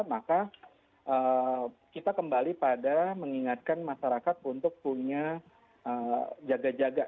maka kita kembali pada mengingatkan masyarakat untuk punya jaga jaga